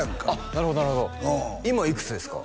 なるほどなるほど今いくつですか？